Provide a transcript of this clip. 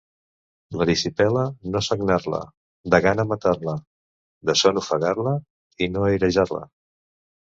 L'erisipela, no sagnar-la, de gana matar-la, de son ofegar-la i no airejar-la.